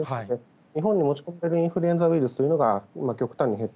日本に持ち込んでるインフルエンザウイルスというのが極端に減っ